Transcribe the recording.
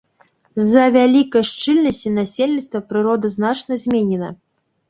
З-за вялікай шчыльнасці насельніцтва прырода значна зменена.